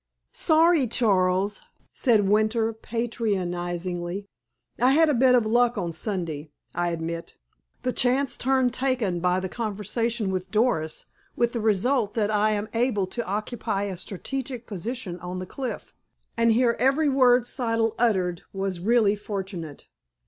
"Sorry, Charles," said Winter patronizingly. "I had a bit of luck on Sunday, I admit. The chance turn taken by the conversation with Doris, with the result that I was able to occupy a strategic position on the cliff, and hear every word Siddle uttered, was really fortunate.